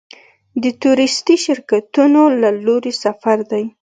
د تورېستي شرکتونو له لوري سفر دی.